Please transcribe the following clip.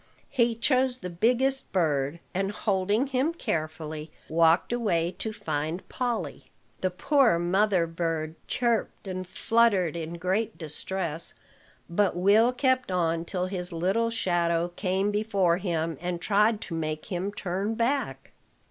He chose the biggest bird, and, holding him carefully, walked away to find Polly. The poor mother bird chirped and fluttered in great distress; but Will kept on till his little shadow came before him, and tried to make him turn back.